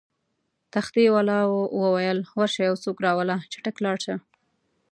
تختې والاو وویل: ورشه یو څوک راوله، چټک لاړ شه.